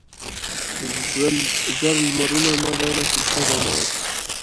زر لمرونه مه ګڼه حصه د ناز